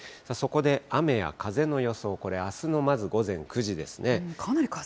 そこで雨や風の予想、これ、あすのまず午前９時ですね。